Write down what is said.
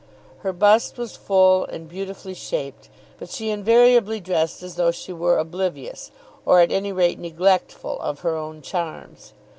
Her bust was full and beautifully shaped; but she invariably dressed as though she were oblivious, or at any rate neglectful, of her own charms.